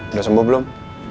udah sembuh belum